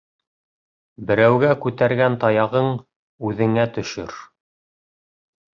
Берәүгә күтәргән таяғың үҙеңә төшөр.